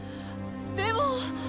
でも！